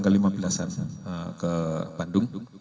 pada tanggal lima belas an ke bandung